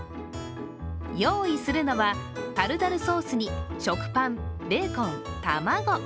用意するのは、タルタルソースに食パン、ベーコン、卵。